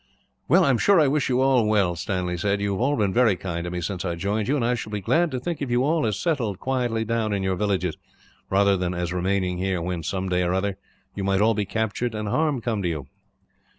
"Well, I am sure I wish you all well," Stanley said. "You have all been very kind to me, since I joined you; and I shall be glad to think of you all as settled quietly down in your villages, rather than as remaining here when, some day or other, you might all be captured and harm come to you."